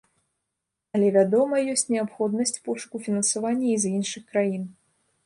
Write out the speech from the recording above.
Але, вядома, ёсць неабходнасць пошуку фінансавання і з іншых краін.